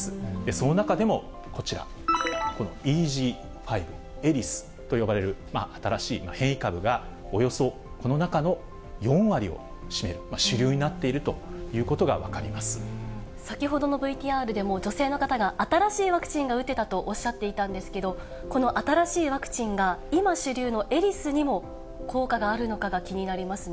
その中でも、こちら、このＥＧ．５、エリスと呼ばれる新しい変異株が、およそこの中の４割を占める、主流になっているということが分先ほどのＶＴＲでも、女性の方が、新しいワクチンが打てたとおっしゃっていたんですけど、この新しいワクチンが、今主流のエリスにも効果があるのかが気になりますね。